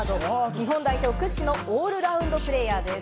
日本代表屈指のオールラウンドプレーヤーです。